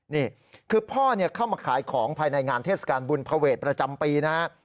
นี่คือพ่อเข้ามาขายของภายในงานเทศกาลบุญภเวทประจำปีนะฮะ